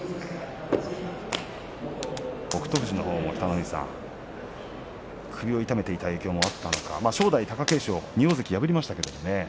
富士のほうも首を痛めていた影響があったのか正代と貴景勝の２大関を破りましたけれどもね。